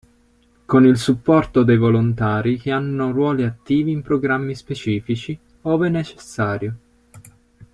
Con il supporto dei volontari che hanno ruoli attivi in programmi specifici, ove necessario.